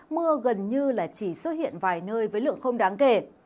mưa gần như là chỉ xuất hiện vài nơi với lượng không đáng kể